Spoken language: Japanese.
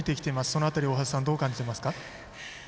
その辺り、大橋さんどう感じていますか？